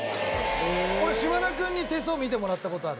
俺島田君に手相見てもらった事ある。